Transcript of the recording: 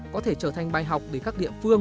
có thể trở thành bài học để các địa phương